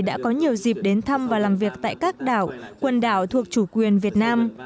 đã có nhiều dịp đến thăm và làm việc tại các đảo quần đảo thuộc chủ quyền việt nam